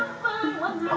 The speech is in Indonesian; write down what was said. saya juga bisa menari